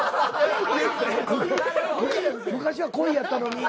昔は恋やったのに。